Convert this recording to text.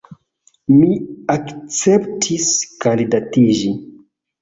Mi akceptis kandidatiĝi.